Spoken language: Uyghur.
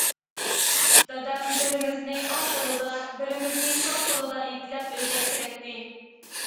دادام بىرىمىزنى ئوڭ قولىدا، بىرىمىزنى سول قولىدا يېتىلەپ ئۆيگە كىرەتتى.